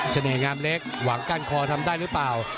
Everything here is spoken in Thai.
เสน่ห์งามเล็กหวังก้านคอทำได้หรือเปล่า